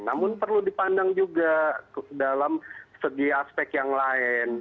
namun perlu dipandang juga dalam segi aspek yang lain